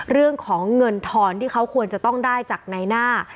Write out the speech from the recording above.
เรื่องของเงินทอนที่เขาควรจะต้องได้จากในหน้า